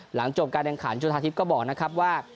หลังจบการแข่งขันจุธาทิพย์ก็บอกนะครับว่า